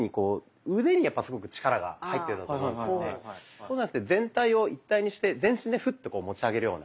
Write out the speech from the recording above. そうじゃなくて全体を一体にして全身でフッと持ち上げるような。